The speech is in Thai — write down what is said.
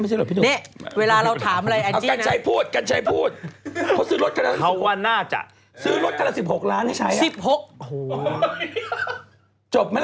พี่คงไม่คบกับใครเพราะเขาอยู่เพราะเงินแน่